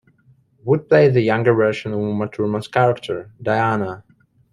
Wood played the younger version of Uma Thurman's character, Diana.